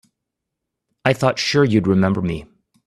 I thought sure you'd remember me.